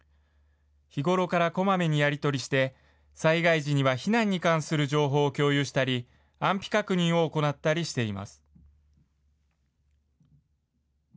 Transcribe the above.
日頃からこまめにやり取りして、災害時には避難に関する情報を共有したり、安否確認を行ったりしています。